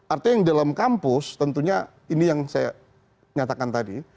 artinya yang dalam kampus tentunya ini yang saya nyatakan tadi